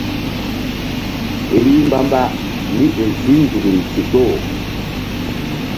Rih mbamba mí ƴo zi nzukri ndikpo.